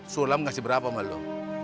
sulam ngasih berapa sama lo